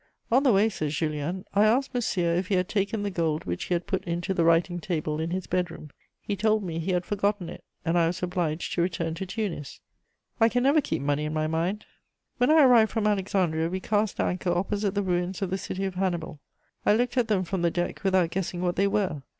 "On the way," says Julien, "I asked Monsieur if he had taken the gold which he had put into the writing table in his bed room; he told me he had forgotten it, and I was obliged to return to Tunis." I can never keep money in my mind. When I arrived from Alexandria, we cast anchor opposite the ruins of the city of Hannibal. I looked at them from the deck without guessing what they were.